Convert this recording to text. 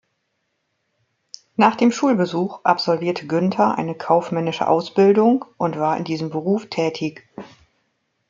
Nach dem Schulbesuch absolvierte Günther eine kaufmännische Ausbildung und war in diesem Beruf tätig.